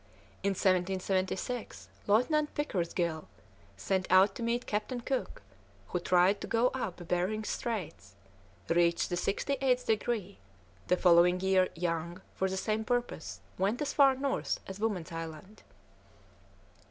In 1776 Lieutenant Pickersgill, sent out to meet Captain Cook, who tried to go up Behring's Straits, reached the sixty eighth degree; the following year Young, for the same purpose, went as far north as Woman's Island.